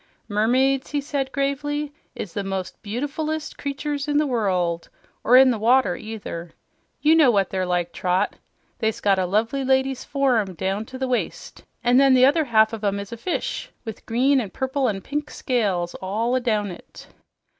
"Mermaids," he said gravely, "is the most beautiful creatures in the world or the water, either. You know what they're like, Trot, they's got a lovely lady's form down to the waist, an' then the other half of 'em's a fish, with green an' purple an' pink scales all down it."